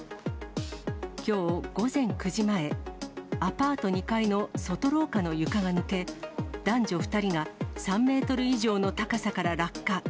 きょう午前９時前、アパート２階の外廊下の床が抜け、男女２人が３メートル以上の高さから落下。